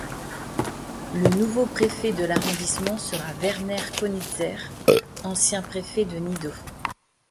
Le nouveau préfet de l'arrondissement sera Werner Könitzer, ancien préfet de Nidau.